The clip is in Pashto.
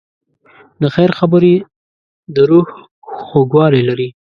د خیر خبرې د روح خوږوالی لري.